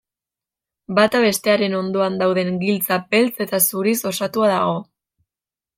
Bata bestearen ondoan dauden giltza beltz eta zuriz osatua dago.